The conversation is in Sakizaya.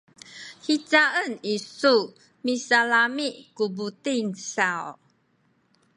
hicaen isu misalami’ ku buting saw?